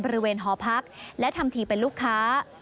บริเวณหอพักและทำทีเป็นลูกค้า